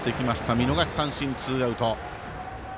見逃し三振ツーアウト。